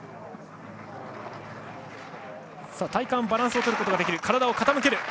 体幹、バランスを取ることができる。